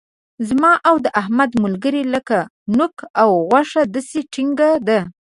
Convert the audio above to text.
زما او د احمد ملګري لکه نوک او غوښه داسې ټینګه ده.